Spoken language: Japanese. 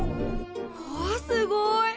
うわすごい！